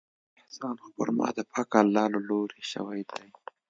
احسان خو پر ما د پاک الله له لورې شوى دى.